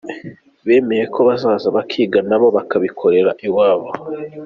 Bemeye ko bazaza bakiga nabo bakabikora iwabo.